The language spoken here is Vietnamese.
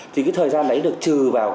thì thời gian đấy được trừ vào